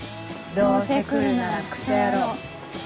どうせ来るならクソ野郎。